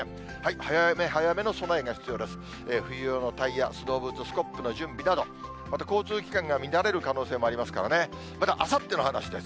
早め早めの備えが必要です。